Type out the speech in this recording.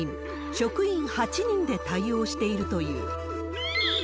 職員８人で対応しているという。